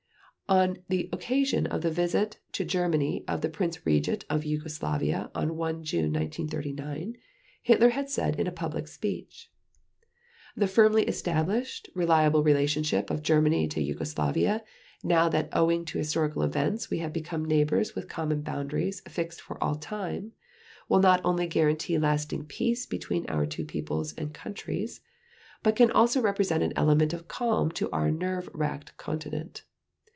On the occasion of the visit to Germany of the Prince Regent of Yugoslavia on 1 June 1939, Hitler had said in a public speech: "The firmly established reliable relationship of Germany to Yugoslavia now that owing to historical events we have become neighbors with common boundaries fixed for all time, will not only guarantee lasting peace between our two peoples and countries, but can also represent an element of calm to our nerve racked continent.